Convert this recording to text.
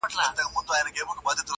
چي پښتانه په جبر نه، خو په رضا سمېږي!٫.